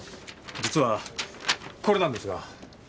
実はこれなんですが。